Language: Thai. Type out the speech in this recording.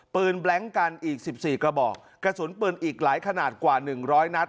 แบล็งกันอีก๑๔กระบอกกระสุนปืนอีกหลายขนาดกว่า๑๐๐นัด